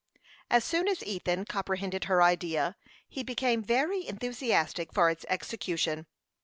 As soon as Ethan comprehended her idea, he became very enthusiastic for its execution.